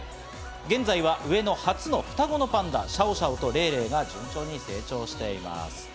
現在は上野初の双子パンダ、シャオシャオとレイレイが順調に成長しています。